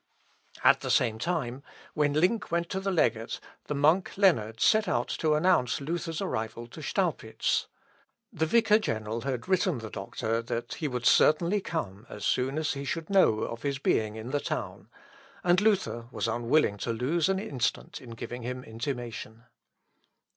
At the same time, when Link went to the legate, the monk Leonard set out to announce Luther's arrival to Staupitz. The vicar general had written the doctor, that he would certainly come as soon as he should know of his being in the town, and Luther was unwilling to lose an instant in giving him intimation.